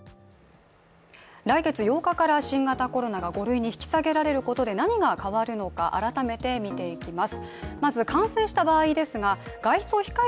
来月８日から新型コロナが５類に引き下げられることで何が変わるのか、改めて見ていきます。